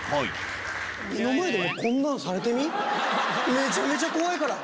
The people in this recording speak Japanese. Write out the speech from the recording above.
めちゃめちゃ怖いから。